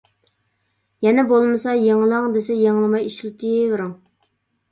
يەنە بولمىسا يېڭىلاڭ دېسە يېڭىلىماي ئىشلىتىۋېرىڭ.